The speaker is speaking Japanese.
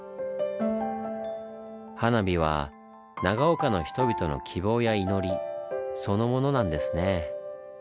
花火は長岡の人々の希望や祈りそのものなんですね。